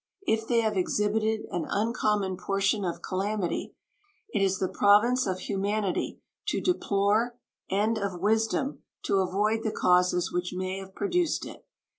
If they have exhibited an uncommon portion of calamity, it is the province of humanity to deplore and of wisdom to avoid the causes which may have produced it.